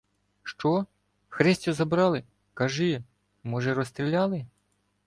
— Що? Христю забрали? Кажи! Може, розстріляли?